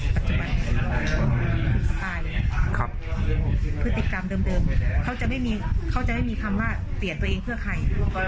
พฤติกรรมเดิมเขาจะไม่มีคำว่าเปลี่ยนตัวเองเพื่อใคร